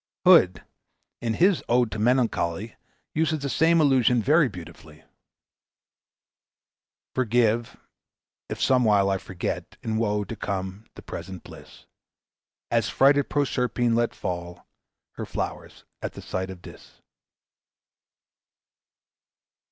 Hood, in his "Ode to Melancholy," uses the same allusion very beautifully: "Forgive, if somewhile I forget, In woe to come the present bliss; As frighted Proserpine let fall Her flowers at the sight of Dis."